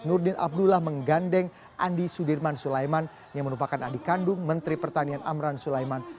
nurdin abdullah menggandeng andi sudirman sulaiman yang merupakan adik kandung menteri pertanian amran sulaiman